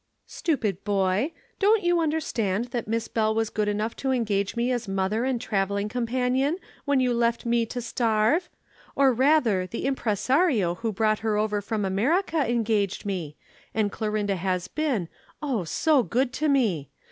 "Stupid boy! Don't you understand that Miss Bell was good enough to engage me as mother and travelling companion when you left me to starve? Or rather, the impresario who brought her over from America engaged me, and Clorinda has been, oh, so good to me!